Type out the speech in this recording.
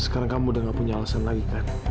sekarang kamu sudah tidak punya alasan lagi kan